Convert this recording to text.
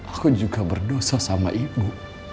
aku juga berdosa sama ibu